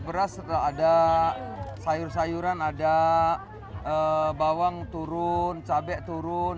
beras ada sayur sayuran ada bawang turun cabai turun